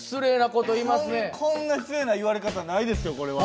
こんな失礼な言われ方ないですよこれは。